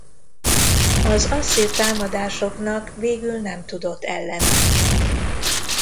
Az asszír támadásoknak végül nem tudott ellenállni.